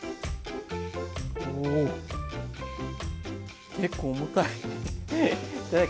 おお結構重たい。